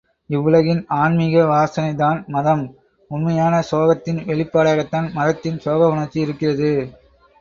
இவ்வுலகின், ஆன்மீக வாசனைதான் மதம், உண்மையான சோகத்தின் வெளிப்பாடாகத்தான் மதத்தின் சோக உணர்ச்சி இருக்கிறது.